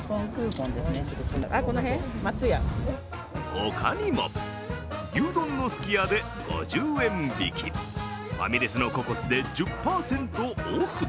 他にも牛丼のすき家で５０円引き、ファミレスのココスで１０％オフ。